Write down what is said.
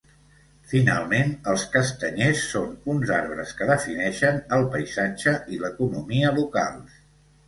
Finalment, els castanyers són uns arbres que defineixen el paisatge i l'economia locals.